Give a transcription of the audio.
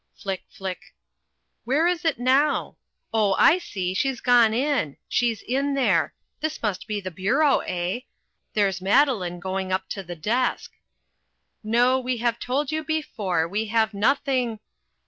Flick, flick! Where is it now? oh, I see, she's gone in she's in there this must be the Bureau, eh? There's Madeline going up to the desk. "NO, WE HAVE TOLD YOU BEFORE, WE HAVE NOTHING